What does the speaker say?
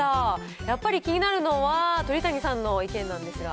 やっぱり気になるのは、鳥谷さんの意見なんですが。